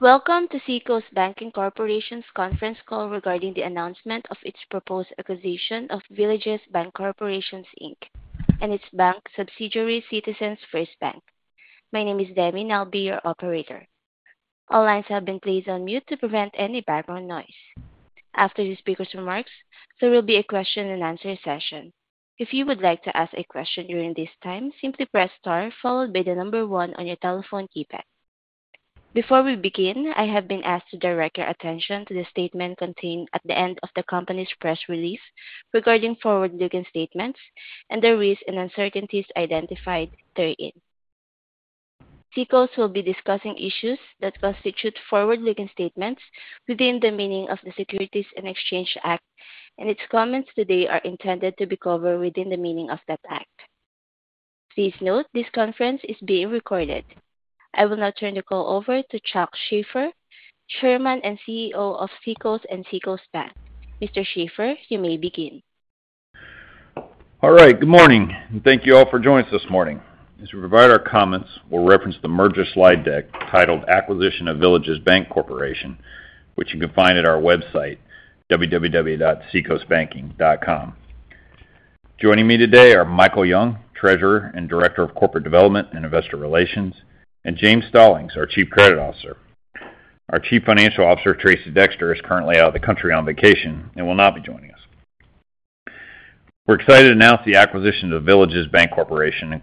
Welcome to Seacoast Banking Corporation's conference call regarding the announcement of its proposed acquisition of Villages Bancorporation and its bank subsidiary, Citizens First Bank. My name is Demi, and I'll be your operator. All lines have been placed on mute to prevent any background noise. After the speaker's remarks, there will be a question-and-answer session. If you would like to ask a question during this time, simply press star followed by the number one on your telephone keypad. Before we begin, I have been asked to direct your attention to the statement contained at the end of the company's press release regarding forward-looking statements and the risks and uncertainties identified therein. Seacoast will be discussing issues that constitute forward-looking statements within the meaning of the Securities and Exchange Act, and its comments today are intended to be covered within the meaning of that act. Please note this conference is being recorded. I will now turn the call over to Charles Shaffer, Chairman and CEO of Seacoast and Seacoast Bank. Mr. Shaffer, you may begin. All right. Good morning. Thank you all for joining us this morning. As we provide our comments, we'll reference the merger slide deck titled Acquisition of Villages Bancorporation, which you can find at our website, www.seacoastbanking.com. Joining me today are Michael Young, Treasurer and Director of Corporate Development and Investor Relations, and James Stallings, our Chief Credit Officer. Our Chief Financial Officer, Tracey Dexter, is currently out of the country on vacation and will not be joining us. We're excited to announce the acquisition of Villages Bancorporation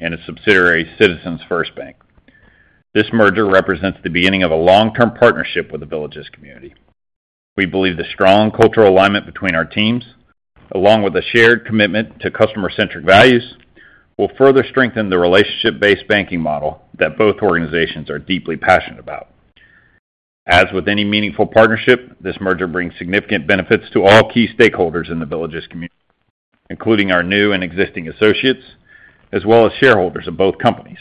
and its subsidiary, Citizens First Bank. This merger represents the beginning of a long-term partnership with the Villages community. We believe the strong cultural alignment between our teams, along with a shared commitment to customer-centric values, will further strengthen the relationship-based banking model that both organizations are deeply passionate about. As with any meaningful partnership, this merger brings significant benefits to all key stakeholders in The Villages community, including our new and existing associates, as well as shareholders of both companies.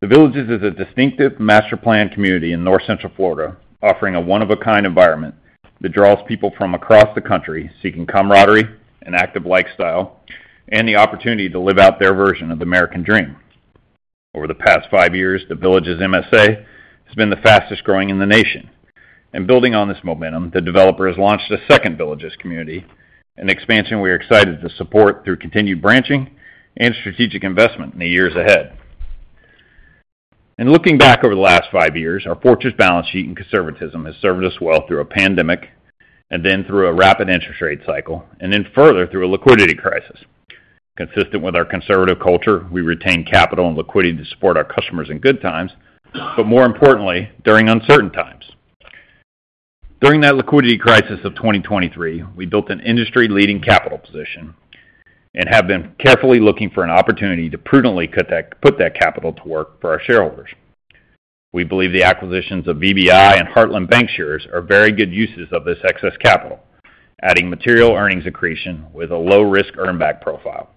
The Villages is a distinctive master plan community in north central Florida, offering a one-of-a-kind environment that draws people from across the country seeking camaraderie and active lifestyle and the opportunity to live out their version of the American Dream. Over the past five years, The Villages MSA has been the fastest growing in the nation. Building on this momentum, the developer has launched a second Villages community, an expansion we are excited to support through continued branching and strategic investment in the years ahead. In looking back over the last five years, our fortress balance sheet and conservatism have served us well through a pandemic, and then through a rapid interest rate cycle, and then further through a liquidity crisis. Consistent with our conservative culture, we retain capital and liquidity to support our customers in good times, but more importantly, during uncertain times. During that liquidity crisis of 2023, we built an industry-leading capital position and have been carefully looking for an opportunity to prudently put that capital to work for our shareholders. We believe the acquisitions of VBI and Heartland Bank shares are very good uses of this excess capital, adding material earnings accretion with a low-risk earnback profile.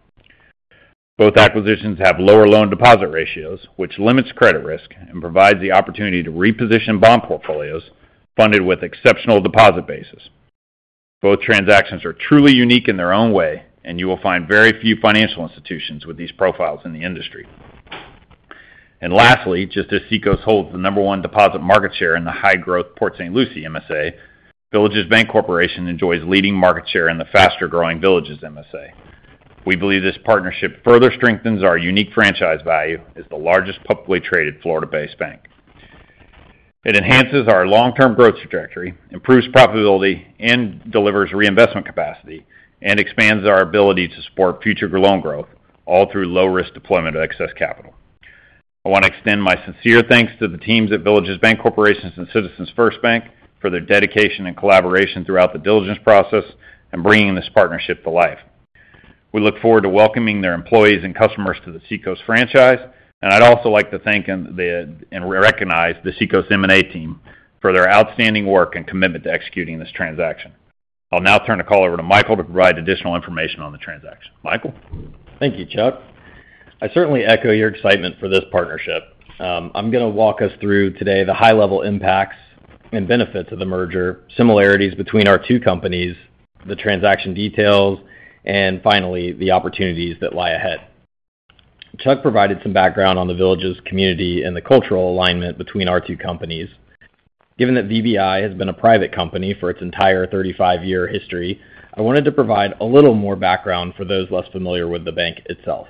Both acquisitions have lower loan deposit ratios, which limits credit risk and provides the opportunity to reposition bond portfolios funded with exceptional deposit bases. Both transactions are truly unique in their own way, and you will find very few financial institutions with these profiles in the industry. Lastly, just as Seacoast holds the number one deposit market share in the high-growth Port St. Lucie MSA, Villages Bancorporation enjoys leading market share in the faster-growing Villages MSA. We believe this partnership further strengthens our unique franchise value as the largest publicly traded Florida-based bank. It enhances our long-term growth trajectory, improves profitability, delivers reinvestment capacity, and expands our ability to support future loan growth, all through low-risk deployment of excess capital. I want to extend my sincere thanks to the teams at Villages Bancorporation and Citizens First Bank for their dedication and collaboration throughout the diligence process and bringing this partnership to life. We look forward to welcoming their employees and customers to the Seacoast franchise, and I'd also like to thank and recognize the Seacoast M&A team for their outstanding work and commitment to executing this transaction. I'll now turn the call over to Michael to provide additional information on the transaction. Michael. Thank you, Charles. I certainly echo your excitement for this partnership. I'm going to walk us through today the high-level impacts and benefits of the merger, similarities between our two companies, the transaction details, and finally, the opportunities that lie ahead. Charles provided some background on the Villages community and the cultural alignment between our two companies. Given that VBI has been a private company for its entire 35-year history, I wanted to provide a little more background for those less familiar with the bank itself.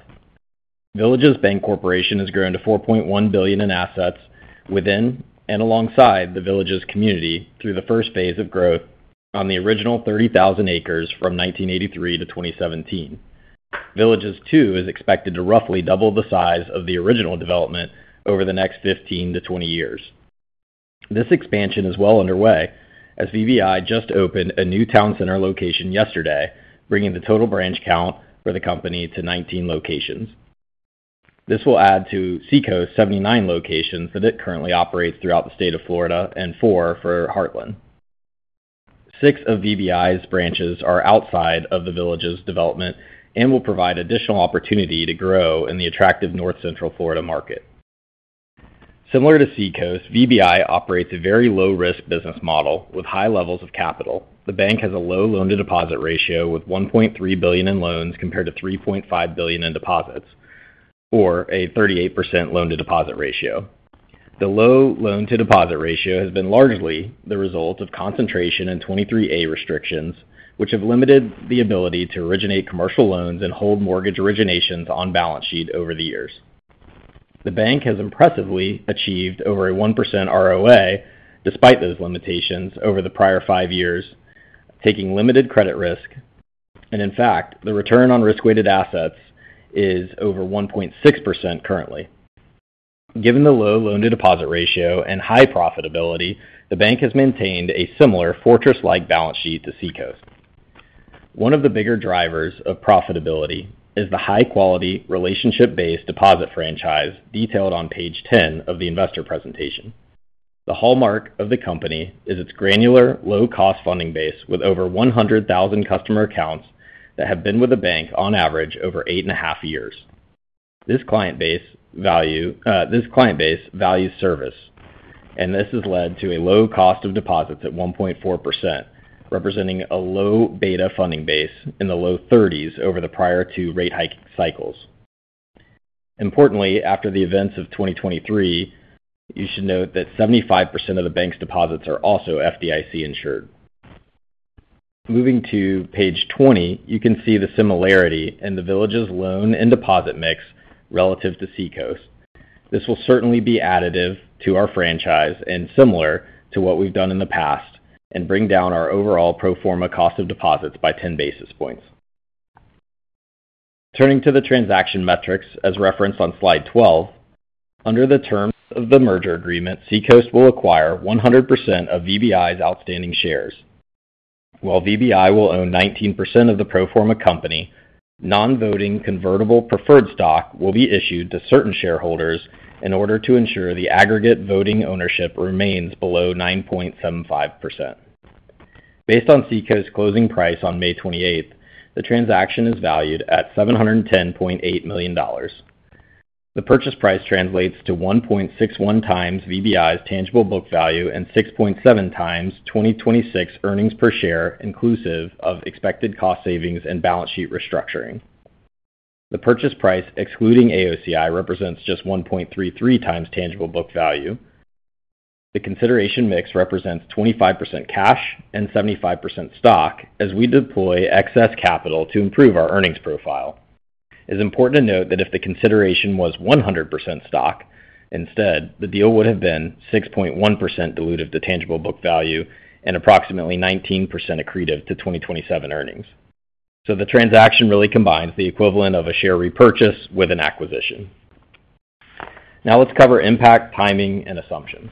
Villages Bancorporation has grown to $4.1 billion in assets within and alongside the Villages community through the first phase of growth on the original 30,000 acres from 1983 to 2017. Villages II is expected to roughly double the size of the original development over the next 15-20 years. This expansion is well underway, as VBI just opened a new town center location yesterday, bringing the total branch count for the company to 19 locations. This will add to Seacoast's 79 locations that it currently operates throughout the state of Florida and four for Heartland. Six of VBI's branches are outside of the Villages development and will provide additional opportunity to grow in the attractive north central Florida market. Similar to Seacoast, VBI operates a very low-risk business model with high levels of capital. The bank has a low loan-to-deposit ratio with $1.3 billion in loans compared to $3.5 billion in deposits, or a 38% loan-to-deposit ratio. The low loan-to-deposit ratio has been largely the result of concentration in 23A restrictions, which have limited the ability to originate commercial loans and hold mortgage originations on balance sheet over the years. The bank has impressively achieved over a 1% ROA despite those limitations over the prior five years, taking limited credit risk, and in fact, the return on risk-weighted assets is over 1.6% currently. Given the low loan-to-deposit ratio and high profitability, the bank has maintained a similar fortress-like balance sheet to Seacoast. One of the bigger drivers of profitability is the high-quality, relationship-based deposit franchise detailed on page 10 of the investor presentation. The hallmark of the company is its granular, low-cost funding base with over 100,000 customer accounts that have been with the bank on average over eight and a half years. This client base values service, and this has led to a low cost of deposits at 1.4%, representing a low beta funding base in the low 30s over the prior two rate hike cycles. Importantly, after the events of 2023, you should note that 75% of the bank's deposits are also FDIC insured. Moving to page 20, you can see the similarity in the Villages loan and deposit mix relative to Seacoast. This will certainly be additive to our franchise and similar to what we've done in the past and bring down our overall pro forma cost of deposits by 10 basis points. Turning to the transaction metrics as referenced on slide 12, under the terms of the merger agreement, Seacoast will acquire 100% of VBI's outstanding shares. While VBI will own 19% of the pro forma company, non-voting convertible preferred stock will be issued to certain shareholders in order to ensure the aggregate voting ownership remains below 9.75%. Based on Seacoast's closing price on May 28th, the transaction is valued at $710.8 million. The purchase price translates to 1.61 times VBI's tangible book value and 6.7 times 2026 earnings per share inclusive of expected cost savings and balance sheet restructuring. The purchase price excluding AOCI represents just 1.33 times tangible book value. The consideration mix represents 25% cash and 75% stock as we deploy excess capital to improve our earnings profile. It's important to note that if the consideration was 100% stock, instead, the deal would have been 6.1% dilutive to tangible book value and approximately 19% accretive to 2027 earnings. The transaction really combines the equivalent of a share repurchase with an acquisition. Now let's cover impact, timing, and assumptions.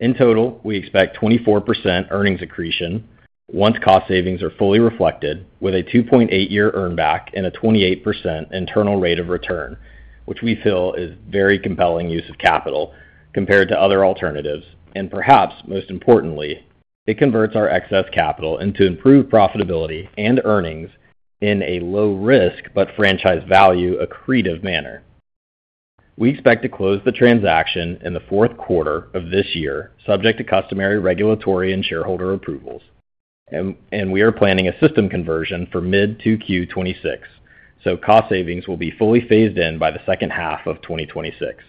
In total, we expect 24% earnings accretion once cost savings are fully reflected, with a 2.8-year earnback and a 28% internal rate of return, which we feel is very compelling use of capital compared to other alternatives. Perhaps most importantly, it converts our excess capital into improved profitability and earnings in a low-risk but franchise value accretive manner. We expect to close the transaction in the fourth quarter of this year, subject to customary regulatory and shareholder approvals. We are planning a system conversion for mid-2Q 2026, so cost savings will be fully phased in by the second half of 2026.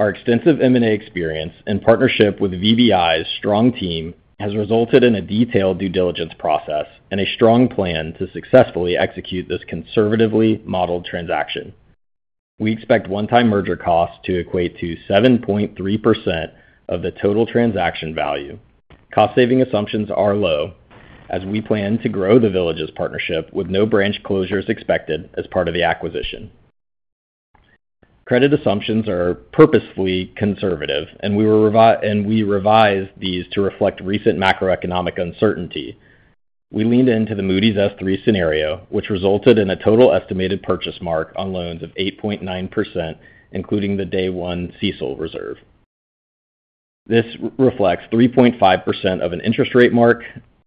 Our extensive M&A experience and partnership with VBI's strong team has resulted in a detailed due diligence process and a strong plan to successfully execute this conservatively modeled transaction. We expect one-time merger costs to equate to 7.3% of the total transaction value. Cost saving assumptions are low, as we plan to grow the Villages partnership with no branch closures expected as part of the acquisition. Credit assumptions are purposefully conservative, and we revise these to reflect recent macroeconomic uncertainty. We leaned into the Moody's S3 scenario, which resulted in a total estimated purchase mark on loans of 8.9%, including the day-one CESOL reserve. This reflects 3.5% of an interest rate mark,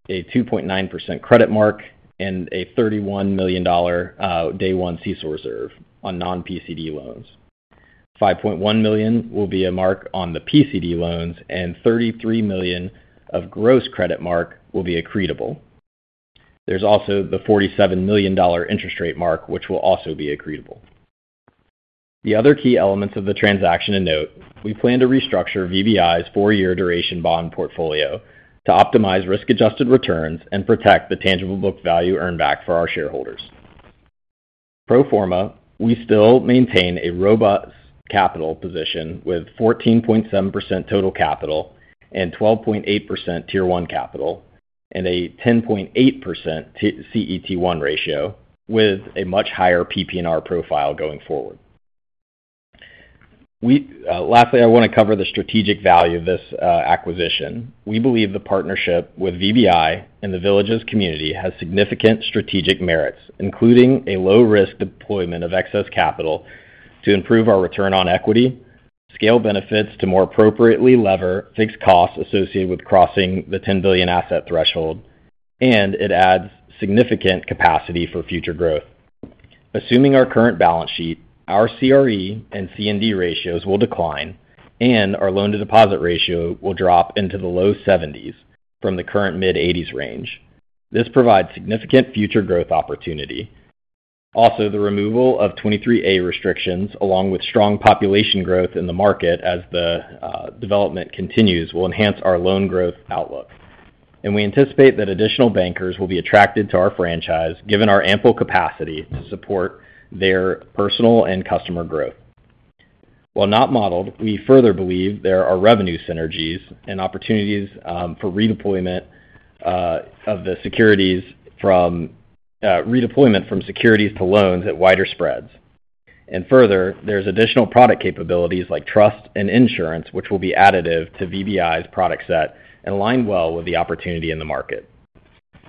a 2.9% credit mark, and a $31 million day-one CESOL reserve on non-PCD loans. $5.1 million will be a mark on the PCD loans, and $33 million of gross credit mark will be accretable. There's also the $47 million interest rate mark, which will also be accretable. The other key elements of the transaction to note: we plan to restructure VBI's four-year duration bond portfolio to optimize risk-adjusted returns and protect the tangible book value earnback for our shareholders. Pro forma, we still maintain a robust capital position with 14.7% total capital and 12.8% tier-one capital, and a 10.8% CET1 ratio with a much higher PP&R profile going forward. Lastly, I want to cover the strategic value of this acquisition. We believe the partnership with VBI and the Villages community has significant strategic merits, including a low-risk deployment of excess capital to improve our return on equity, scale benefits to more appropriately lever fixed costs associated with crossing the $10 billion asset threshold, and it adds significant capacity for future growth. Assuming our current balance sheet, our CRE and C&D ratios will decline, and our loan-to-deposit ratio will drop into the low 70s from the current mid-80s range. This provides significant future growth opportunity. Also, the removal of 23A restrictions, along with strong population growth in the market as the development continues, will enhance our loan growth outlook. We anticipate that additional bankers will be attracted to our franchise, given our ample capacity to support their personal and customer growth. While not modeled, we further believe there are revenue synergies and opportunities for redeployment of the securities from redeployment from securities to loans at wider spreads. Further, there are additional product capabilities like trust and insurance, which will be additive to VBI's product set and align well with the opportunity in the market.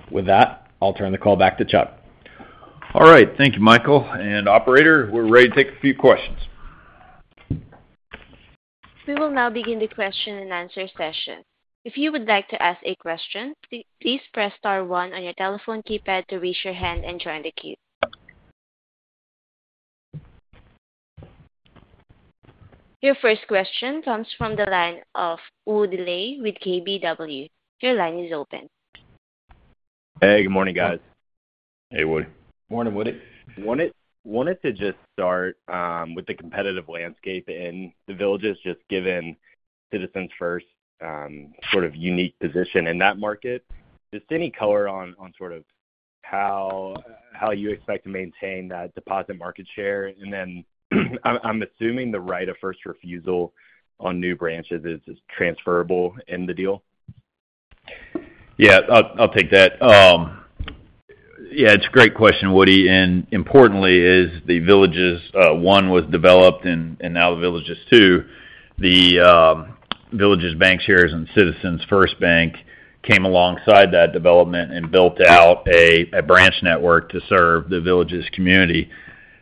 With that, I'll turn the call back to Charles. All right. Thank you, Michael. Operator, we're ready to take a few questions. We will now begin the question and answer session. If you would like to ask a question, please press star one on your telephone keypad to raise your hand and join the queue. Your first question comes from the line of Woody Leigh with KBW. Your line is open. Hey, good morning, guys. Hey, Woody. Morning, Woody. Wanted to just start with the competitive landscape in the Villages, just given Citizens First's sort of unique position in that market. Just any color on sort of how you expect to maintain that deposit market share. I'm assuming the right of first refusal on new branches is transferable in the deal. Yeah, I'll take that. Yeah, it's a great question, Woody. Importantly, as the Villages One was developed and now the Villages Two, the Villages Bank shares in Citizens First Bank came alongside that development and built out a branch network to serve the Villages community.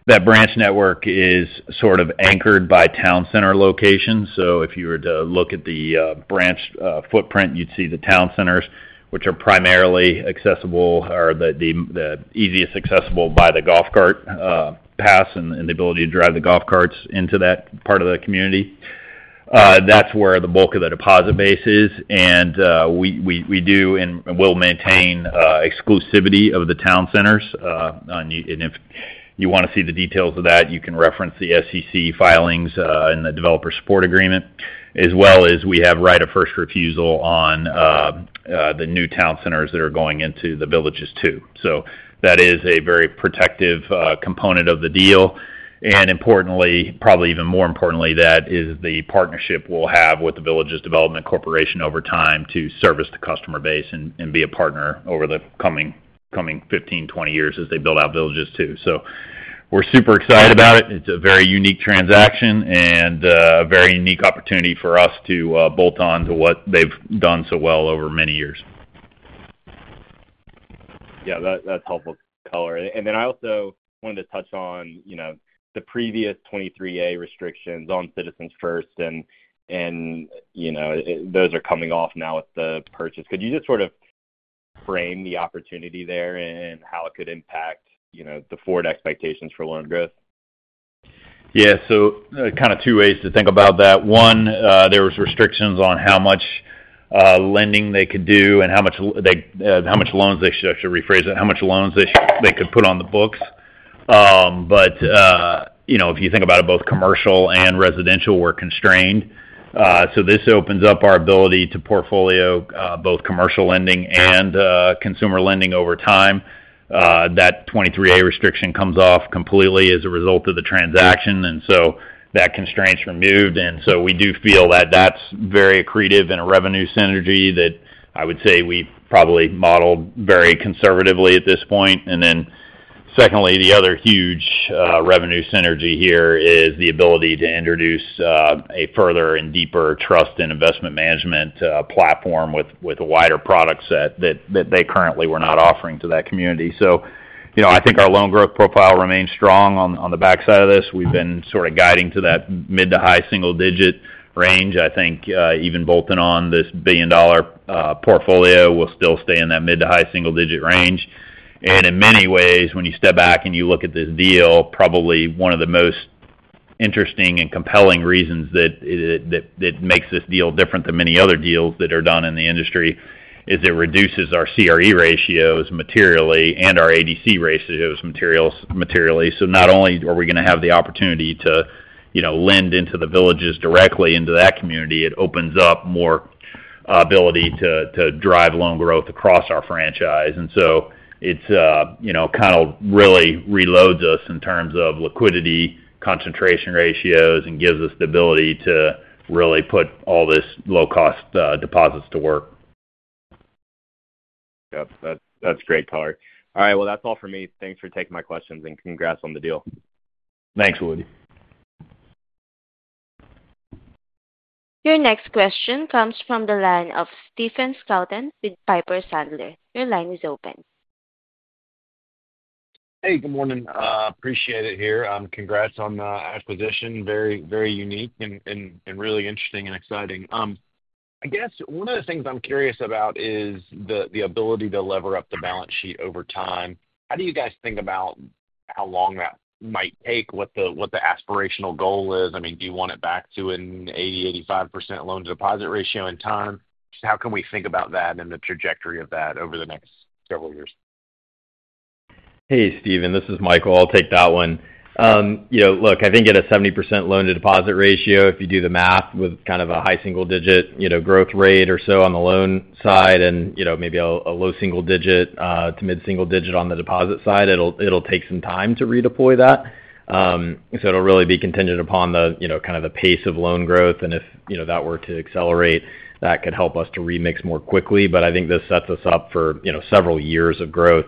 That branch network is sort of anchored by town center location. If you were to look at the branch footprint, you'd see the town centers, which are primarily accessible or the easiest accessible by the golf cart paths and the ability to drive the golf carts into that part of the community. That's where the bulk of the deposit base is. We do and will maintain exclusivity of the town centers. If you want to see the details of that, you can reference the SEC filings and the developer support agreement, as well as we have right of first refusal on the new town centers that are going into the Villages Two. That is a very protective component of the deal. Importantly, probably even more importantly, that is the partnership we'll have with the Villages Development Corporation over time to service the customer base and be a partner over the coming 15-20 years as they build out Villages Two. We're super excited about it. It's a very unique transaction and a very unique opportunity for us to bolt on to what they've done so well over many years. Yeah, that's helpful color. I also wanted to touch on the previous 23A restrictions on Citizens First. Those are coming off now with the purchase. Could you just sort of frame the opportunity there and how it could impact the forward expectations for loan growth? Yeah. So kind of two ways to think about that. One, there were restrictions on how much lending they could do and how much loans they should—I should rephrase it—how much loans they could put on the books. If you think about it, both commercial and residential were constrained. This opens up our ability to portfolio both commercial lending and consumer lending over time. That 23A restriction comes off completely as a result of the transaction. That constraint's removed. We do feel that that's very accretive in a revenue synergy that I would say we probably modeled very conservatively at this point. Secondly, the other huge revenue synergy here is the ability to introduce a further and deeper trust and investment management platform with a wider product set that they currently were not offering to that community. I think our loan growth profile remains strong on the backside of this. We've been sort of guiding to that mid to high single-digit range. I think even bolting on this billion-dollar portfolio, we'll still stay in that mid to high single-digit range. In many ways, when you step back and you look at this deal, probably one of the most interesting and compelling reasons that makes this deal different than many other deals that are done in the industry is it reduces our CRE ratios materially and our ADC ratios materially. Not only are we going to have the opportunity to lend into the Villages directly into that community, it opens up more ability to drive loan growth across our franchise. It kind of really reloads us in terms of liquidity concentration ratios and gives us the ability to really put all these low-cost deposits to work. Yep. That's great color. All right. That's all for me. Thanks for taking my questions and congrats on the deal. Thanks, Woody. Your next question comes from the line of Stephen Stalton with Piper Sandler. Your line is open. Hey, good morning. Appreciate it here. Congrats on the acquisition. Very unique and really interesting and exciting. I guess one of the things I'm curious about is the ability to lever up the balance sheet over time. How do you guys think about how long that might take, what the aspirational goal is? I mean, do you want it back to an 80-85% loan-to-deposit ratio in time? How can we think about that and the trajectory of that over the next several years? Hey, Stephen. This is Michael. I'll take that one. Look, I think at a 70% loan-to-deposit ratio, if you do the math with kind of a high single-digit growth rate or so on the loan side and maybe a low single-digit to mid-single-digit on the deposit side, it'll take some time to redeploy that. It will really be contingent upon kind of the pace of loan growth. If that were to accelerate, that could help us to remix more quickly. I think this sets us up for several years of growth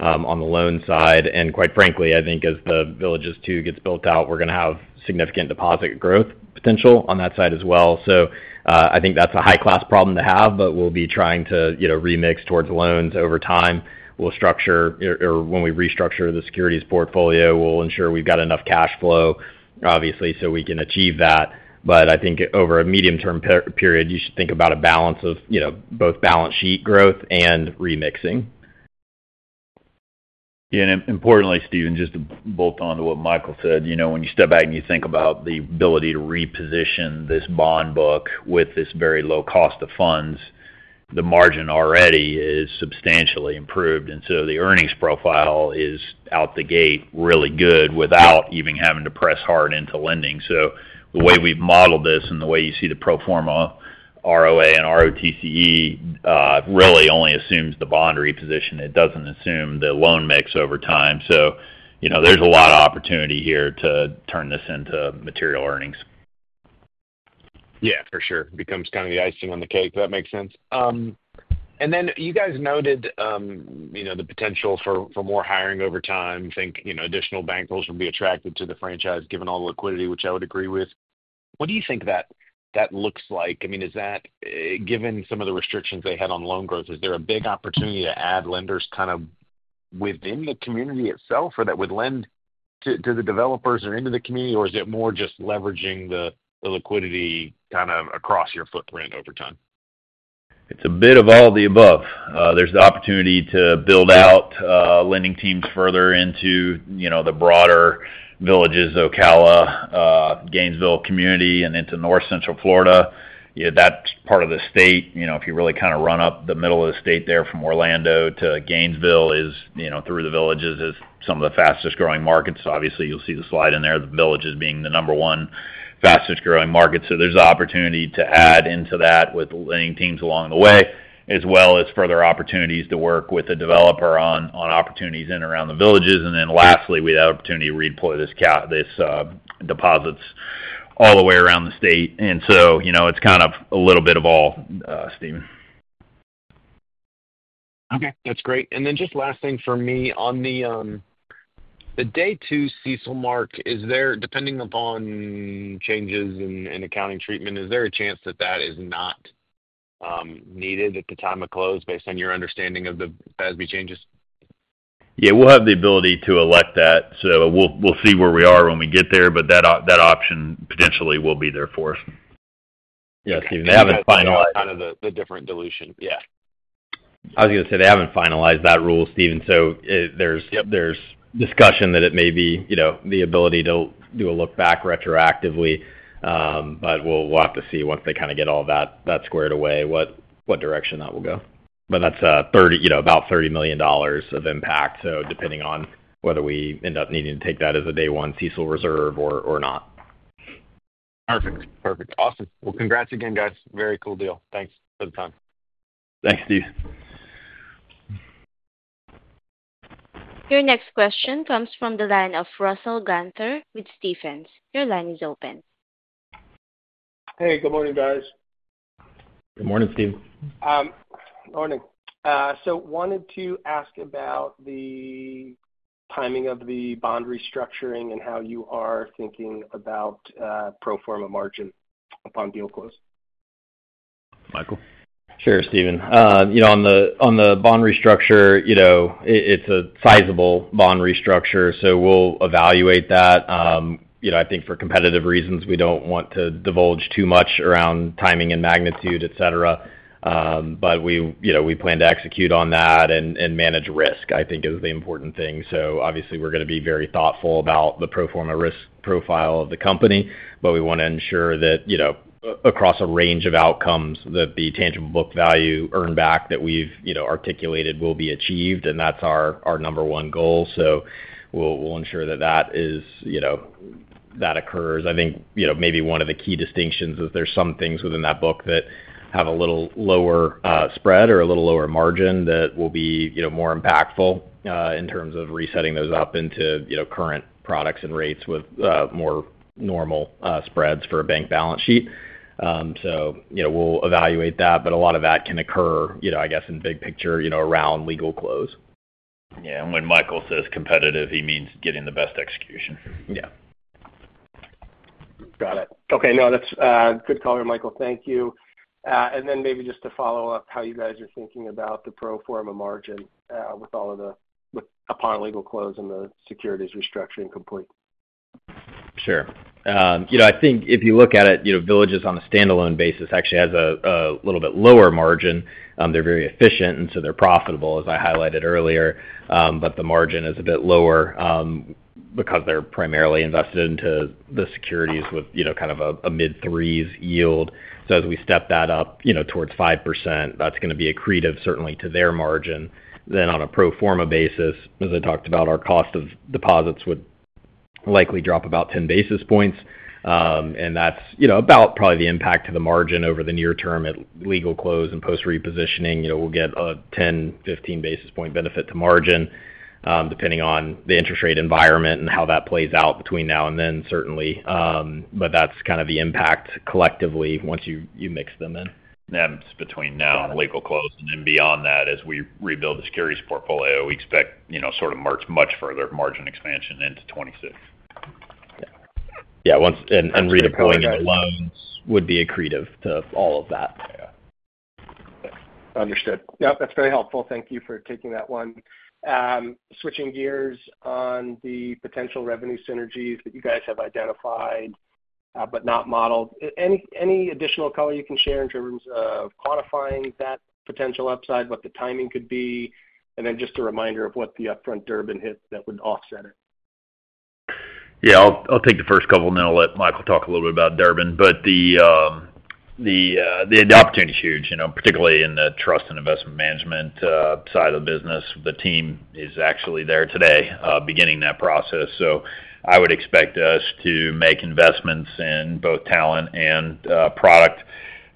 on the loan side. Quite frankly, I think as the Villages Two gets built out, we're going to have significant deposit growth potential on that side as well. I think that's a high-class problem to have, but we'll be trying to remix towards loans over time. We'll structure or when we restructure the securities portfolio, we'll ensure we've got enough cash flow, obviously, so we can achieve that. I think over a medium-term period, you should think about a balance of both balance sheet growth and remixing. Yeah. Importantly, Stephen, just to bolt on to what Michael said, when you step back and you think about the ability to reposition this bond book with this very low cost of funds, the margin already is substantially improved. The earnings profile is out the gate really good without even having to press hard into lending. The way we have modeled this and the way you see the pro forma ROA and ROTCE really only assumes the bond reposition. It does not assume the loan mix over time. There is a lot of opportunity here to turn this into material earnings. Yeah, for sure. It becomes kind of the icing on the cake. That makes sense. You guys noted the potential for more hiring over time. I think additional bankers will be attracted to the franchise given all the liquidity, which I would agree with. What do you think that looks like? I mean, given some of the restrictions they had on loan growth, is there a big opportunity to add lenders kind of within the community itself or that would lend to the developers or into the community, or is it more just leveraging the liquidity kind of across your footprint over time? It's a bit of all the above. There's the opportunity to build out lending teams further into the broader Villages, Ocala, Gainesville community, and into north central Florida. That's part of the state. If you really kind of run up the middle of the state there from Orlando to Gainesville, through the Villages, it is some of the fastest-growing markets. Obviously, you'll see the slide in there, the Villages being the number one fastest-growing market. There's the opportunity to add into that with lending teams along the way, as well as further opportunities to work with a developer on opportunities in and around the Villages. Lastly, we have the opportunity to redeploy these deposits all the way around the state. It's kind of a little bit of all, Stephen. Okay. That's great. Just last thing for me. On the day-two CECL mark, depending upon changes in accounting treatment, is there a chance that that is not needed at the time of close based on your understanding of the FASB changes? Yeah. We'll have the ability to elect that. We'll see where we are when we get there, but that option potentially will be there for us. Yeah, Stephen. They haven't finalized. Kind of the different dilution, yeah. I was going to say they haven't finalized that rule, Stephen. There is discussion that it may be the ability to do a look-back retroactively, but we'll have to see once they kind of get all that squared away what direction that will go. That is about $30 million of impact, depending on whether we end up needing to take that as a day-one CECL reserve or not. Perfect. Perfect. Awesome. Congrats again, guys. Very cool deal. Thanks for the time. Thanks, Steve. Your next question comes from the line of Russell Ganter with Stephens. Your line is open. Hey, good morning, guys. Good morning, Stephen. Morning. Wanted to ask about the timing of the bond restructuring and how you are thinking about pro forma margin upon deal close. Michael. Sure, Stephen. On the bond restructure, it's a sizable bond restructure. We'll evaluate that. I think for competitive reasons, we don't want to divulge too much around timing and magnitude, etc. We plan to execute on that and manage risk, I think, is the important thing. Obviously, we're going to be very thoughtful about the pro forma risk profile of the company. We want to ensure that across a range of outcomes, that the tangible book value earned back that we've articulated will be achieved. That's our number one goal. We'll ensure that that occurs. I think maybe one of the key distinctions is there's some things within that book that have a little lower spread or a little lower margin that will be more impactful in terms of resetting those up into current products and rates with more normal spreads for a bank balance sheet. We will evaluate that. A lot of that can occur, I guess, in big picture around legal close. Yeah. When Michael says competitive, he means getting the best execution. Yeah. Got it. Okay. No, that's good color, Michael. Thank you. Maybe just to follow up, how you guys are thinking about the pro forma margin with upon legal close and the securities restructuring complete. Sure. I think if you look at it, Villages on a standalone basis actually has a little bit lower margin. They're very efficient, and so they're profitable, as I highlighted earlier. But the margin is a bit lower because they're primarily invested into the securities with kind of a mid-threes yield. As we step that up towards 5%, that's going to be accretive certainly to their margin. On a pro forma basis, as I talked about, our cost of deposits would likely drop about 10 basis points. That's about probably the impact to the margin over the near term at legal close and post-repositioning. We'll get a 10-15 basis point benefit to margin depending on the interest rate environment and how that plays out between now and then, certainly. That's kind of the impact collectively once you mix them in. Yeah. Between now and legal close and then beyond that, as we rebuild the securities portfolio, we expect sort of much further margin expansion into 2026. Yeah. Redeploying the loans would be accretive to all of that. Yeah. Understood. No, that's very helpful. Thank you for taking that one. Switching gears on the potential revenue synergies that you guys have identified but not modeled. Any additional color you can share in terms of quantifying that potential upside, what the timing could be, and then just a reminder of what the upfront Durbin hit that would offset it? Yeah. I'll take the first couple, and then I'll let Michael talk a little bit about Durbin. The opportunity is huge, particularly in the trust and investment management side of the business. The team is actually there today beginning that process. I would expect us to make investments in both talent and product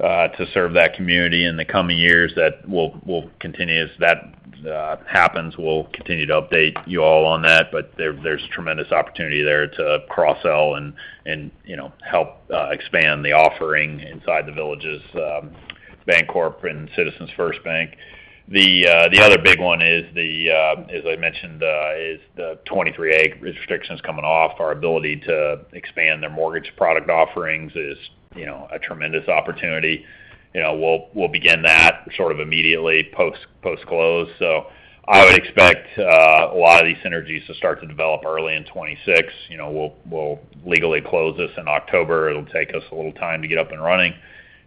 to serve that community in the coming years that will continue. As that happens, we'll continue to update you all on that. There is tremendous opportunity there to cross-sell and help expand the offering inside the Villages, Bancorp, and Citizens First Bank. The other big one, as I mentioned, is the 23A restrictions coming off. Our ability to expand their mortgage product offerings is a tremendous opportunity. We'll begin that sort of immediately post-close. I would expect a lot of these synergies to start to develop early in 2026. We'll legally close this in October. It'll take us a little time to get up and running.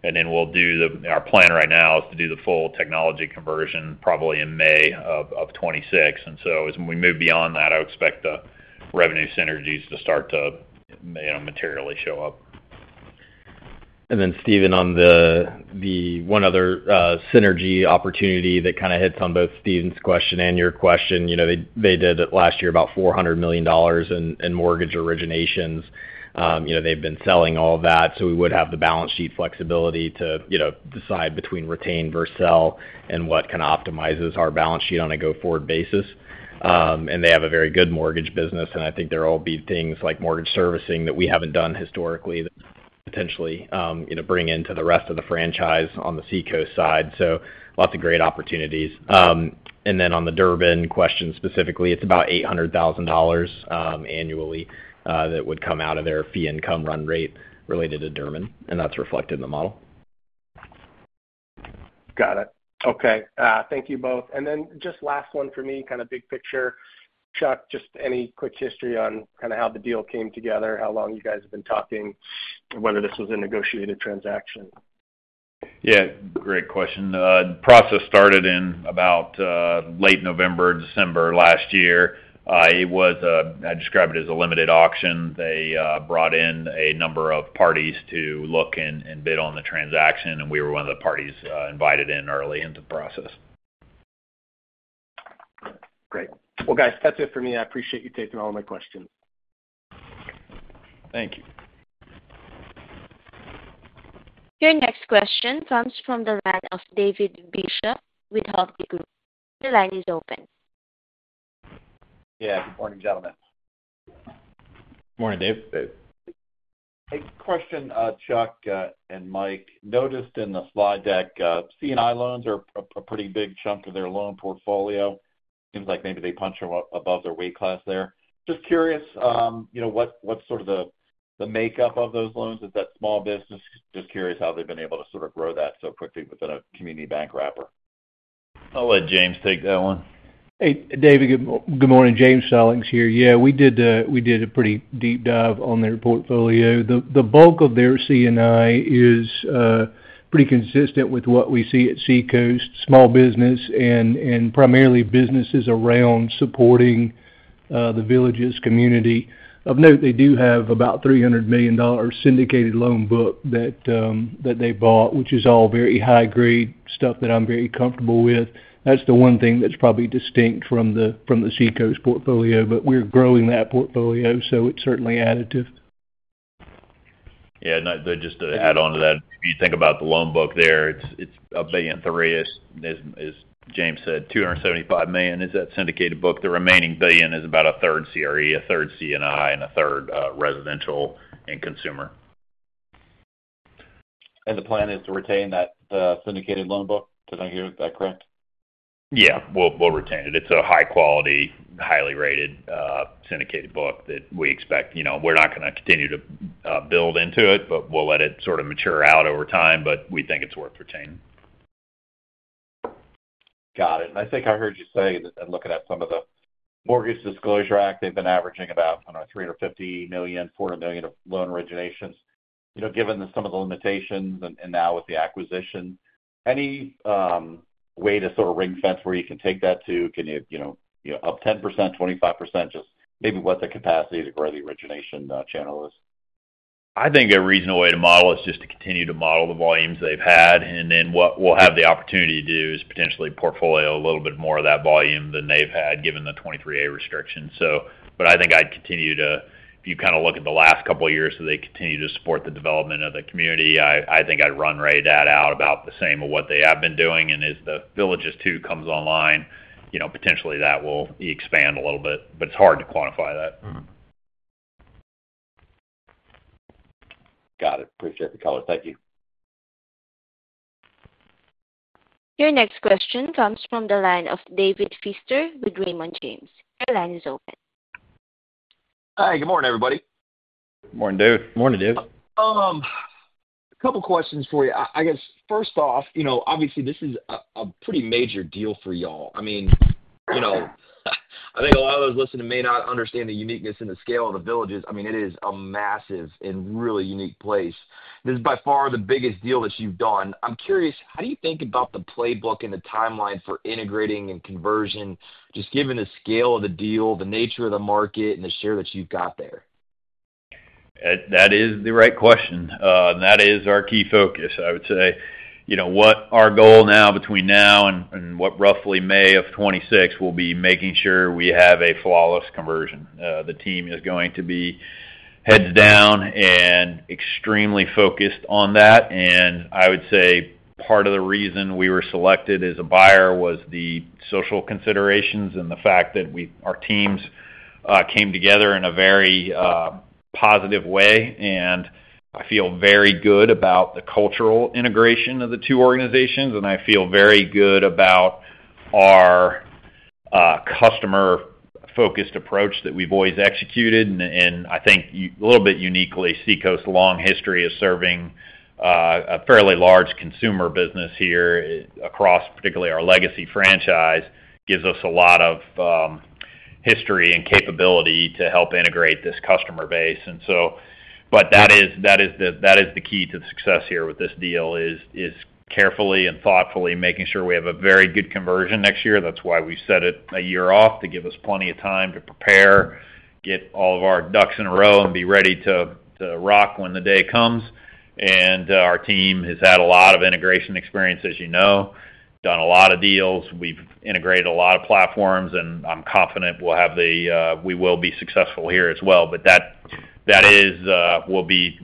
Our plan right now is to do the full technology conversion probably in May of 2026. As we move beyond that, I expect the revenue synergies to start to materially show up. Then, Stephen, on the one other synergy opportunity that kind of hits on both Stephen's question and your question, they did last year about $400 million in mortgage originations. They have been selling all of that. We would have the balance sheet flexibility to decide between retain versus sell and what kind of optimizes our balance sheet on a go-forward basis. They have a very good mortgage business. I think there will be things like mortgage servicing that we have not done historically that potentially bring into the rest of the franchise on the Seacoast side. Lots of great opportunities. On the Durbin question specifically, it is about $800,000 annually that would come out of their fee-income run rate related to Durbin. That is reflected in the model. Got it. Okay. Thank you both. And then just last one for me, kind of big picture. Charles, just any quick history on kind of how the deal came together, how long you guys have been talking, whether this was a negotiated transaction? Yeah. Great question. The process started in about late November, December last year. It was a—I describe it as a limited auction. They brought in a number of parties to look and bid on the transaction. We were one of the parties invited in early into the process. Great. Guys, that's it for me. I appreciate you taking all of my questions. Thank you. Your next question comes from the line of David Bishop with Hovde Group. The line is open. Yeah. Good morning, gentlemen. Good morning, Dave. Hey. Question, Charles and Mike. Noticed in the slide deck, C&I loans are a pretty big chunk of their loan portfolio. Seems like maybe they punch above their weight class there. Just curious what's sort of the makeup of those loans. Is that small business? Just curious how they've been able to sort of grow that so quickly within a community bank wrapper. I'll let James take that one. Hey, David. Good morning. James Stallings here. Yeah, we did a pretty deep dive on their portfolio. The bulk of their C&I is pretty consistent with what we see at Seacoast, small business, and primarily businesses around supporting the Villages community. Of note, they do have about $300 million syndicated loan book that they bought, which is all very high-grade stuff that I'm very comfortable with. That's the one thing that's probably distinct from the Seacoast portfolio, but we're growing that portfolio, so it's certainly additive. Yeah. Just to add on to that, if you think about the loan book there, it's a billion-three-ish, as James said, $275 million. It's that syndicated book. The remaining billion is about a third CRE, a third C&I, and a third residential and consumer. The plan is to retain that syndicated loan book? Did I hear that correct? Yeah. We'll retain it. It's a high-quality, highly-rated syndicated book that we expect. We're not going to continue to build into it, but we'll let it sort of mature out over time. We think it's worth retaining. Got it. I think I heard you say that looking at some of the Mortgage Disclosure Act, they've been averaging about, I don't know, $350 million-$400 million of loan originations. Given some of the limitations and now with the acquisition, any way to sort of ring-fence where you can take that to? Can you up 10%, 25%? Just maybe what's the capacity to grow the origination channel is? I think a reasonable way to model is just to continue to model the volumes they've had. What we'll have the opportunity to do is potentially portfolio a little bit more of that volume than they've had given the 23A restrictions. I think I'd continue to, if you kind of look at the last couple of years that they continue to support the development of the community, I think I'd run rate that out about the same of what they have been doing. As the Villages two comes online, potentially that will expand a little bit. It's hard to quantify that. Got it. Appreciate the color. Thank you. Your next question comes from the line of David Pfister with Raymond James. Your line is open. Hi. Good morning, everybody. Good morning, Dave. Good morning, Dave. A couple of questions for you. I guess, first off, obviously, this is a pretty major deal for y'all. I mean, I think a lot of those listening may not understand the uniqueness and the scale of the Villages. I mean, it is a massive and really unique place. This is by far the biggest deal that you've done. I'm curious, how do you think about the playbook and the timeline for integrating and conversion, just given the scale of the deal, the nature of the market, and the share that you've got there? That is the right question. That is our key focus, I would say. What our goal now between now and what roughly May of 2026 will be making sure we have a flawless conversion. The team is going to be heads down and extremely focused on that. Part of the reason we were selected as a buyer was the social considerations and the fact that our teams came together in a very positive way. I feel very good about the cultural integration of the two organizations. I feel very good about our customer-focused approach that we've always executed. I think a little bit uniquely, Seacoast's long history of serving a fairly large consumer business here across particularly our legacy franchise gives us a lot of history and capability to help integrate this customer base. That is the key to the success here with this deal, carefully and thoughtfully making sure we have a very good conversion next year. That is why we have set it a year off to give us plenty of time to prepare, get all of our ducks in a row, and be ready to rock when the day comes. Our team has had a lot of integration experience, as you know, done a lot of deals. We have integrated a lot of platforms, and I am confident we will be successful here as well. That will be,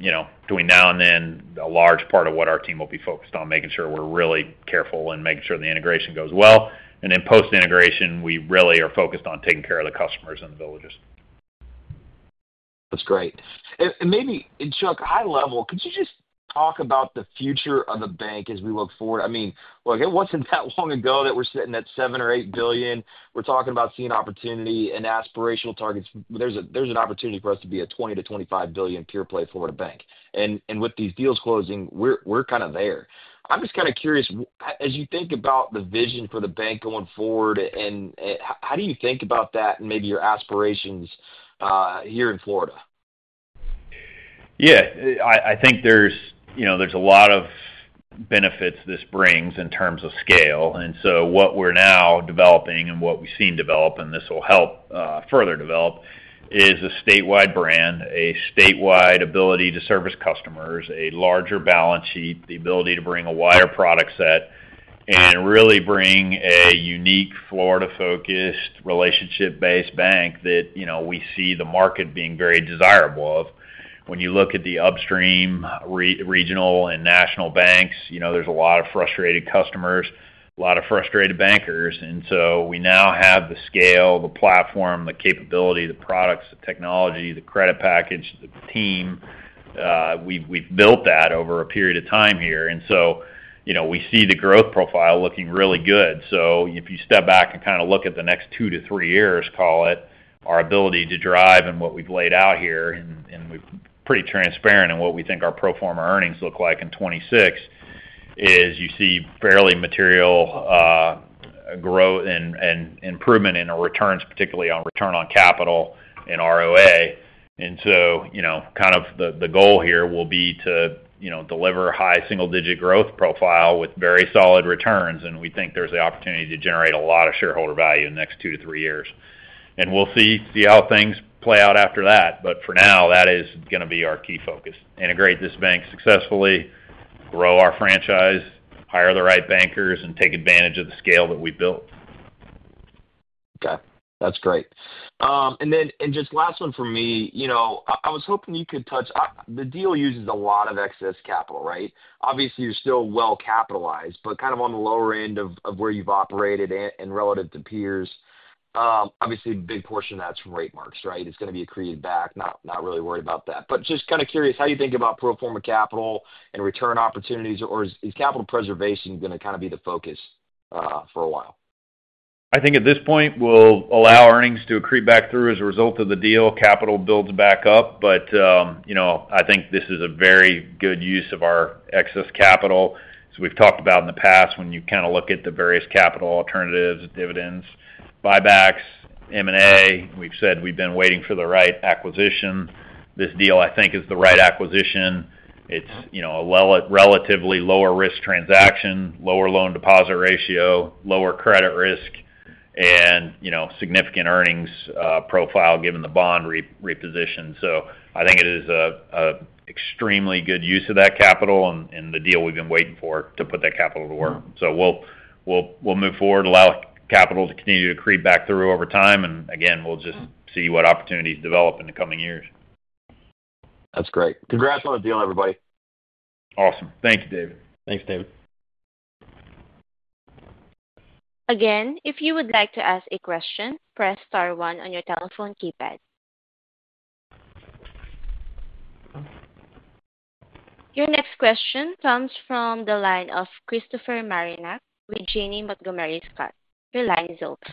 between now and then, a large part of what our team will be focused on, making sure we are really careful in making sure the integration goes well. Then post-integration, we really are focused on taking care of the customers and the Villages. That's great. Maybe, Charles, high level, could you just talk about the future of the bank as we look forward? I mean, look, it wasn't that long ago that we're sitting at $7 billion or $8 billion. We're talking about seeing opportunity and aspirational targets. There's an opportunity for us to be a $20 billion-$25 billion pure play Florida bank. With these deals closing, we're kind of there. I'm just kind of curious, as you think about the vision for the bank going forward, how do you think about that and maybe your aspirations here in Florida? Yeah. I think there's a lot of benefits this brings in terms of scale. What we're now developing and what we've seen develop, and this will help further develop, is a statewide brand, a statewide ability to service customers, a larger balance sheet, the ability to bring a wider product set, and really bring a unique Florida-focused relationship-based bank that we see the market being very desirable of. When you look at the upstream regional and national banks, there's a lot of frustrated customers, a lot of frustrated bankers. We now have the scale, the platform, the capability, the products, the technology, the credit package, the team. We've built that over a period of time here. We see the growth profile looking really good. If you step back and kind of look at the next two to three years, call it, our ability to drive and what we've laid out here, and we're pretty transparent in what we think our pro forma earnings look like in 2026, is you see fairly material growth and improvement in our returns, particularly on return on capital and ROA. The goal here will be to deliver a high single-digit growth profile with very solid returns. We think there's the opportunity to generate a lot of shareholder value in the next two to three years. We'll see how things play out after that. For now, that is going to be our key focus: integrate this bank successfully, grow our franchise, hire the right bankers, and take advantage of the scale that we've built. Okay. That's great. And then just last one for me. I was hoping you could touch, the deal uses a lot of excess capital, right? Obviously, you're still well-capitalized, but kind of on the lower end of where you've operated and relative to peers. Obviously, a big portion of that's from rate marks, right? It's going to be accreted back. Not really worried about that. But just kind of curious, how do you think about pro forma capital and return opportunities? Or is capital preservation going to kind of be the focus for a while? I think at this point, we'll allow earnings to accrete back through as a result of the deal. Capital builds back up. I think this is a very good use of our excess capital. As we've talked about in the past, when you kind of look at the various capital alternatives, dividends, buybacks, M&A, we've said we've been waiting for the right acquisition. This deal, I think, is the right acquisition. It's a relatively lower-risk transaction, lower loan-to-deposit ratio, lower credit risk, and significant earnings profile given the bond reposition. I think it is an extremely good use of that capital and the deal we've been waiting for to put that capital to work. We'll move forward, allow capital to continue to accrete back through over time. Again, we'll just see what opportunities develop in the coming years. That's great. Congrats on the deal, everybody. Awesome. Thank you, David. Thanks, David. Again, if you would like to ask a question, press star one on your telephone keypad. Your next question comes from the line of Christopher Marinac with Janney Montgomery Scott. Your line is open.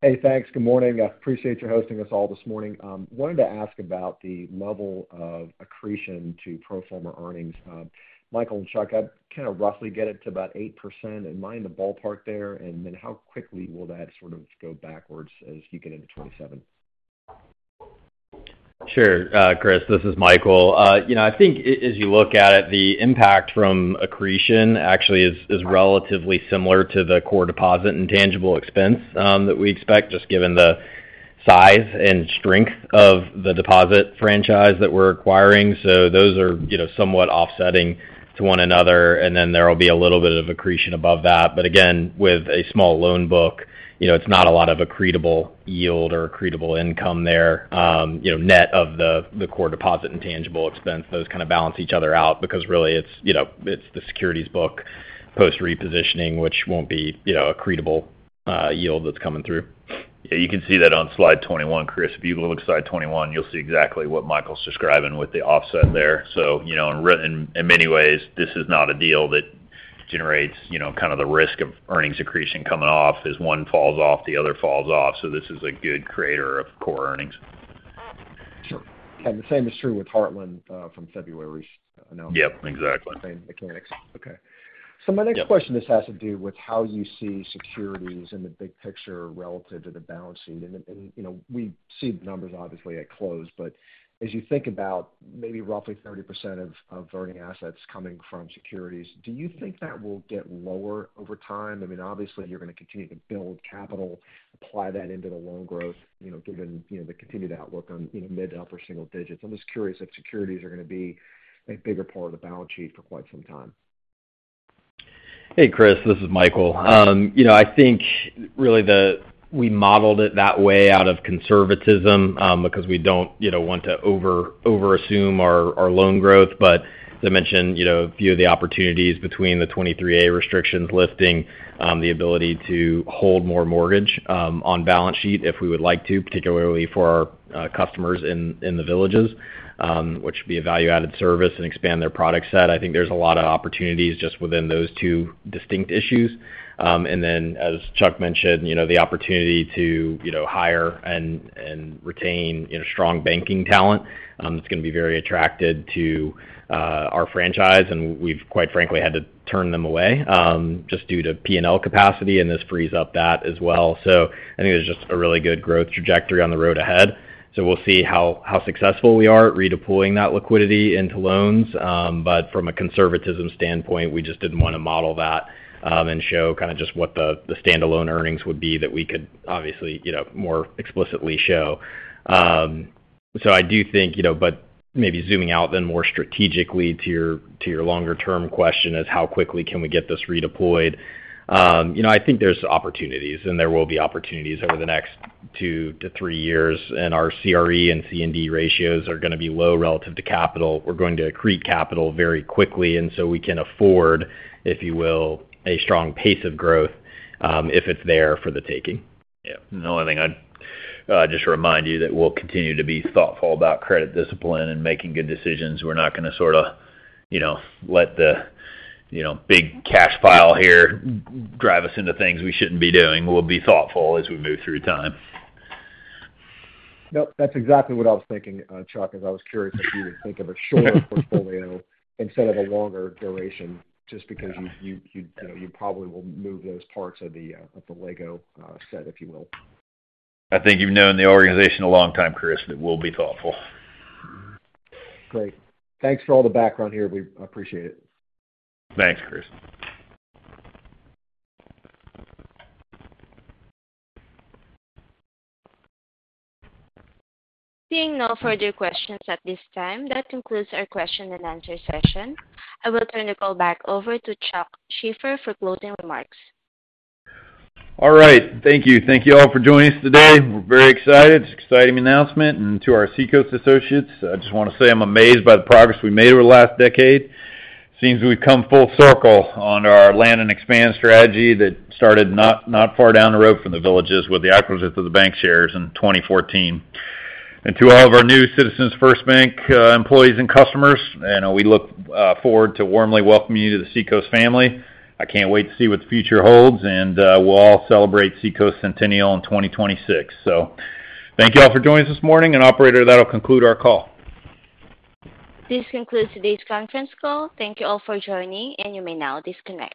Hey, thanks. Good morning. I appreciate you hosting us all this morning. I wanted to ask about the level of accretion to pro forma earnings. Michael and Charles, I kind of roughly get it to about 8%. Am I in the ballpark there? And then how quickly will that sort of go backwards as you get into 2027? Sure. Chris, this is Michael. I think as you look at it, the impact from accretion actually is relatively similar to the core deposit and tangible expense that we expect, just given the size and strength of the deposit franchise that we're acquiring. Those are somewhat offsetting to one another. There will be a little bit of accretion above that. Again, with a small loan book, it's not a lot of accretable yield or accretable income there net of the core deposit and tangible expense. Those kind of balance each other out because really it's the securities book post-repositioning, which will not be accretable yield that's coming through. Yeah. You can see that on slide 21, Chris. If you look at slide 21, you'll see exactly what Michael's describing with the offset there. In many ways, this is not a deal that generates kind of the risk of earnings accretion coming off as one falls off, the other falls off. This is a good creator of core earnings. Sure. And the same is true with Heartland from February's announcement. Yep. Exactly. Same mechanics. Okay. My next question, this has to do with how you see securities in the big picture relative to the balance sheet. We see the numbers, obviously, at close. As you think about maybe roughly 30% of earning assets coming from securities, do you think that will get lower over time? I mean, obviously, you're going to continue to build capital, apply that into the loan growth, given the continued outlook on mid-upper single digits. I'm just curious if securities are going to be a bigger part of the balance sheet for quite some time. Hey, Chris, this is Michael. I think really we modeled it that way out of conservatism because we don't want to over-assume our loan growth. But as I mentioned, a few of the opportunities between the 23A restrictions lifting, the ability to hold more mortgage on balance sheet if we would like to, particularly for our customers in the Villages, which would be a value-added service and expand their product set. I think there's a lot of opportunities just within those two distinct issues. And then, as Charles mentioned, the opportunity to hire and retain strong banking talent, it's going to be very attractive to our franchise. And we've quite frankly had to turn them away just due to P&L capacity. And this frees up that as well. I think there's just a really good growth trajectory on the road ahead. We will see how successful we are at redeploying that liquidity into loans. From a conservatism standpoint, we just did not want to model that and show kind of just what the standalone earnings would be that we could obviously more explicitly show. I do think, maybe zooming out then more strategically to your longer-term question, how quickly can we get this redeployed? I think there are opportunities, and there will be opportunities over the next two to three years. Our CRE and C&D ratios are going to be low relative to capital. We are going to accrete capital very quickly. We can afford, if you will, a strong pace of growth if it is there for the taking. Yeah. The only thing I'd just remind you that we'll continue to be thoughtful about credit discipline and making good decisions. We're not going to sort of let the big cash pile here drive us into things we shouldn't be doing. We'll be thoughtful as we move through time. Yep. That's exactly what I was thinking, Charles, as I was curious if you would think of a shorter portfolio instead of a longer duration just because you probably will move those parts of the LEGO set, if you will. I think you've known the organization a long time, Chris, and it will be thoughtful. Great. Thanks for all the background here. We appreciate it. Thanks, Chris. Seeing no further questions at this time, that concludes our question and answer session. I will turn the call back over to Charles Shaffer for closing remarks. All right. Thank you. Thank you all for joining us today. We're very excited. It's an exciting announcement. To our Seacoast associates, I just want to say I'm amazed by the progress we made over the last decade. It seems we've come full circle on our land and expand strategy that started not far down the road from the Villages with the acquisition of the bank shares in 2014. To all of our new Citizens First Bank employees and customers, we look forward to warmly welcoming you to the Seacoast family. I can't wait to see what the future holds. We will all celebrate Seacoast Centennial in 2026. Thank you all for joining us this morning. Operator, that'll conclude our call. This concludes today's conference call. Thank you all for joining, and you may now disconnect.